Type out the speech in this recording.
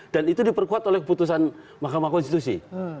dan itu diperkuat oleh keputusan mahkamah konstitusi